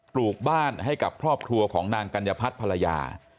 ลูกบ้านให้กับครอบครัวของนางกัญญพัฒน์ภรรยา